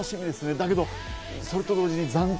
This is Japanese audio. だけど、それと同時に残酷。